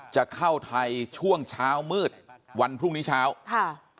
จะเข้าไทยช่วงเช้ามืดวันพรุ่งนี้เช้าค่ะ